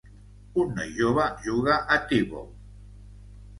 Un noi jove juga a teeball.